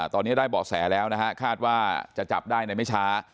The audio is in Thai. ตอนนี้ได้เบาะแสแล้วนะฮะคาดว่าจะจับได้ในไม่ช้า